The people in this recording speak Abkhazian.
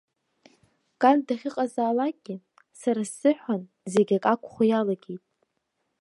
Кан дахьыҟазаалакгьы сара сзыҳәан зегь акакәхо иалагеит.